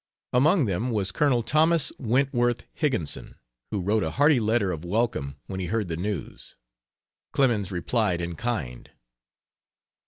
Among them was Colonel Thomas Wentworth Higginson, who wrote a hearty letter of welcome when he heard the news. Clemens replied in kind.